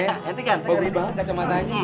eh ente kan bohong di bawah kacamatanya